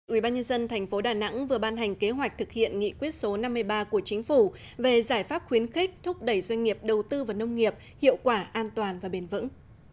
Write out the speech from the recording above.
ubnd tp đà nẵng vừa ban hành kế hoạch thực hiện nghị quyết số năm mươi ba của chính phủ về giải pháp khuyến khích thúc đẩy doanh nghiệp đầu tư vào nông nghiệp hiệu quả an toàn và bền vững